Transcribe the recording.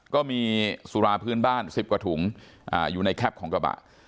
ก็มีสุราพื้นบ้าน๑๐กว่าถุงอยู่ในแคปของกระบะ